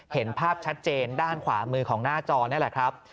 เห็นภาพชัดเจนด้านขวามือของหน้าจอนี่แหละครับ